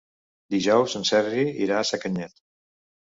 Dijous en Sergi irà a Sacanyet.